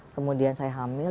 kemudian saya hamil